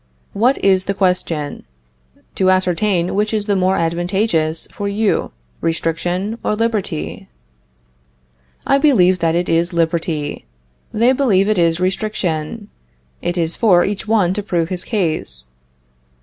What is the question? To ascertain which is the more advantageous for you, restriction or liberty. I believe that it is liberty; they believe it is restriction; it is for each one to prove his case.